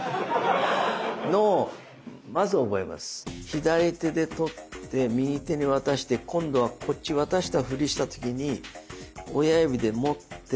左手で取って右手に渡して今度はこっち渡したフリした時に親指で持って。